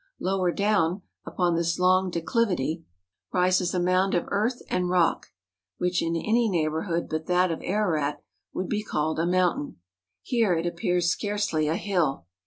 Lower down, upon this long de MOUNT ARARAT. 211 clivity, rises a mound of earth and rock, which in any neighbourhood but that of Ararat, would be called a mountain. Here it appears scarcely a hill.